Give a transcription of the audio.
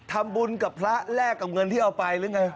ทำบุญกับพระแลกกับเงินที่เอาไปหรือไง